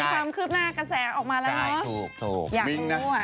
มีความคืบหน้ากระแสออกมาแล้วเนอะ